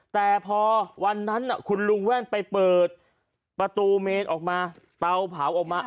แต่พอวันนั้นคุณลุงแว่นไปเปิดประตูเมนออกมาเตาเผาออกมา